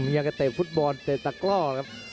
อย่างเกิดเตะฟุตบอลเตะตะก้อครับ